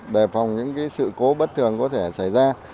đề phòng những sự cố bất thường có thể xảy ra